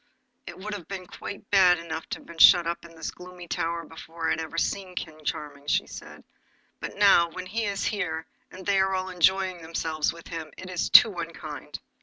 'It would have been quite bad enough to be shut up in this gloomy tower before I had ever seen King Charming,' she said; 'but now when he is here, and they are all enjoying themselves with him, it is too unkind.